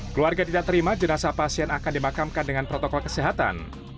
keluarga tidak terima jenazah pasien akan dimakamkan dengan protokol kesehatan